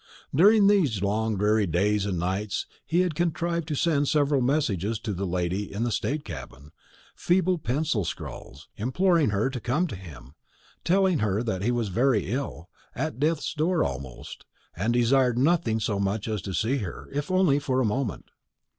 During these long dreary days and nights he had contrived to send several messages to the lady in the state cabin, feeble pencil scrawls, imploring her to come to him, telling her that he was very ill, at death's door almost, and desired nothing so much as to see her, if only for a moment.